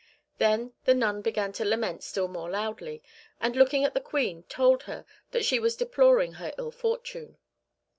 Then the nun began to lament still more loudly, and looking at the Queen, told her that she was deploring her ill fortune.